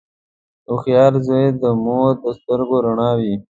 • هوښیار زوی د مور د سترګو رڼا وي.